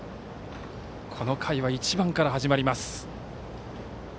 この回は１番から始まります。